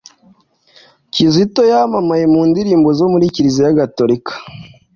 kizito yamamaye mu ndirimbo zo muri kiliziya gatolika